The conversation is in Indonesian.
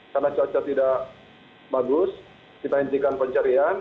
karena cuaca tidak bagus kita hentikan pencarian